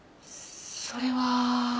それは。